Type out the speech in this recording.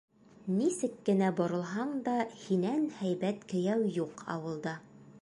Нисек кенә боролһаң да, һинән һәйбәт кейәү юҡ ауылда.